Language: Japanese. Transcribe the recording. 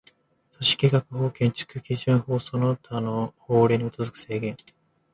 都市計画法、建築基準法その他の法令に基づく制限